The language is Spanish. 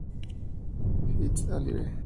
It's Alive!